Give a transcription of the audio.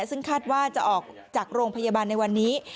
ซึ่งคาดว่าจะออกจากโรงพยาบาลในวันนี้